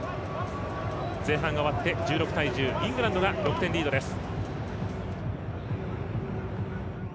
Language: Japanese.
前半が終わって１６対１０イングランドが６点リードです。